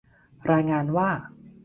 รายงานว่า